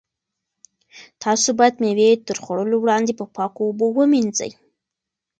تاسو باید مېوې تر خوړلو وړاندې په پاکو اوبو ومینځئ.